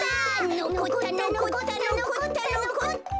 のこったのこったのこったのこった。